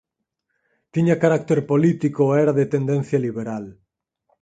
Tiña carácter político e era de tendencia liberal.